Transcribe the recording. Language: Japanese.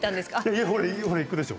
いやほらいくでしょ。